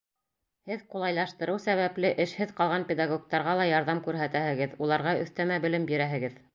Һеҙ ҡулайлаштырыу сәбәпле эшһеҙ ҡалған педагогтарға ла ярҙам күрһәтәһегеҙ, уларға өҫтәмә белем бирәһегеҙ.